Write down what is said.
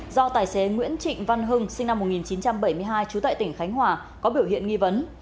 do tài xế nguyễn trịnh văn hưng sinh năm một nghìn chín trăm bảy mươi hai trú tại tỉnh khánh hòa có biểu hiện nghi vấn